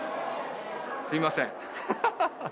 すみません。